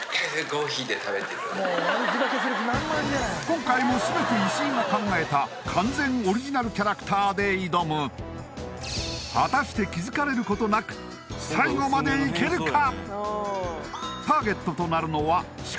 今回も全て石井が考えた完全オリジナルキャラクターで挑む果たして気づかれることなく最後までいけるか？